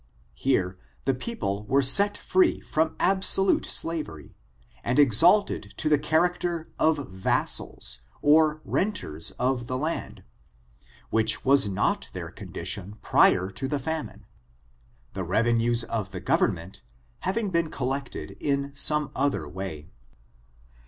Hero the people were set free from absolute slavery, and exalt ed to the character of v(issals, or renters of the land, which was not their condition prior to the famine — the revenues of the government having been collected in some other way.